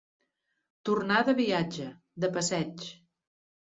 Tornar de viatge, de passeig.